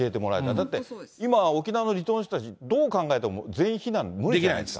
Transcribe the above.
だって、今、沖縄の離島の人たちどう考えても全員避難無理じゃないですか。